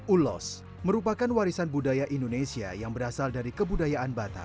ulos merupakan warisan budaya indonesia yang berasal dari kebudayaan batam